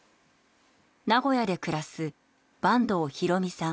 名古屋で暮らす坂東弘美さん。